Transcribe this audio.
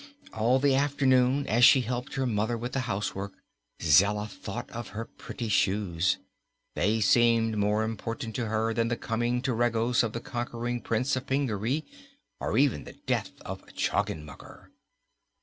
All the afternoon, as she helped her mother with the housework, Zella thought of her pretty shoes. They seemed more important to her than the coming to Regos of the conquering Prince of Pingaree, or even the death of Choggenmugger.